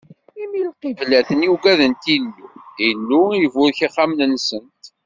Imi lqiblat-nni ugadent Illu, Illu iburek ixxamen-nsent.